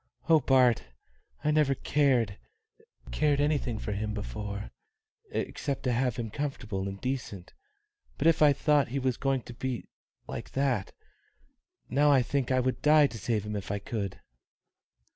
"O Bart! I never cared cared anything for him before except to have him comfortable and decent; but if I thought he was going to be like that now I think I would die to save him if I could."